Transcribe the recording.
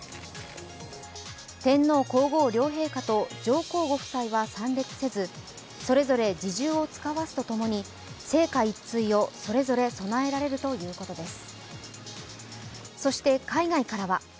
天皇皇后両陛下と上皇ご夫妻は参列せずそれぞれ侍従をつかわすとともに生花一対をそれぞれ供えられるということです。